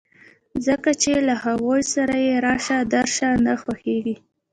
ځکه چې له هغوی سره يې راشه درشه نه خوښېږي.